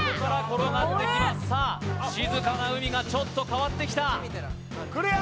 静かな海がちょっと変わってきた来るよ！